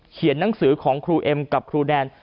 ลายมือเขียนนังสือของครูเอ็มกับครูแนน